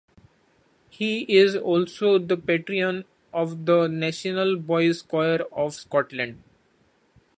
He is also the patron of the National Boys' Choir of Scotland.